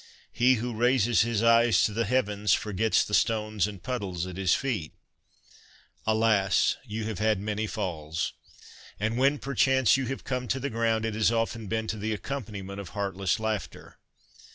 ' He who raises his eyes to the heavens forgets the stones and puddles at his feet.' Alas ! you have had many falls. And when perchance you have come to the ground, it has often been to the accompaniment of heartless laughter.